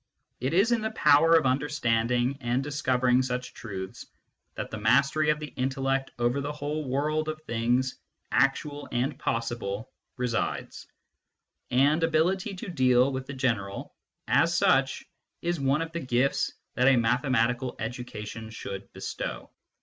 It is in the power of understanding and discovering such truths that the mastery of the intellect over the whole world of things actual and possible resides ; and ability to deal with the general as such is one of the gifts that a mathematical education should bestow.